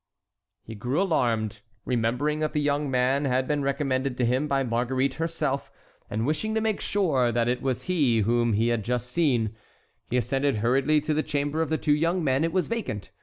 He grew alarmed. Remembering that the young man had been recommended to him by Marguerite herself, and wishing to make sure that it was he whom he had just seen, he ascended hurriedly to the chamber of the two young men. It was vacant.